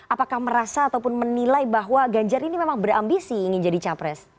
apakah merasa ataupun menilai bahwa ganjar ini memang berambisi ingin jadi capres